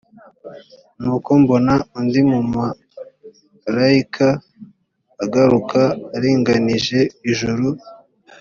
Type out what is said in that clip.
nuko mbona undi mumarayika aguruka aringanije ijuru